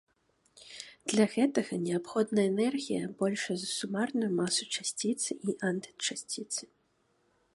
Для гэтага неабходна энергія, большая за сумарную масу часціцы і антычасціцы.